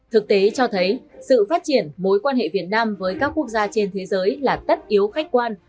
thực tế cho thấy sự phát triển mối quan hệ việt nam với các quốc gia trên thế giới là tất yếu khách quan